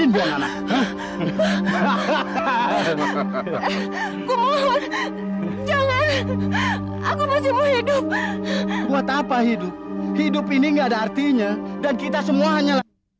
buat apa hidup hidup ini enggak ada artinya dan kita semua hanya